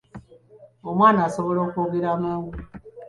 Omwana asobola okwogera amangu.